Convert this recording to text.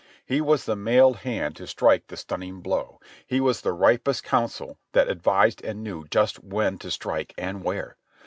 His was the mailed hand to strike the stvmning blow ; his was the ripest coun sel that advised and knew just when to strike and where.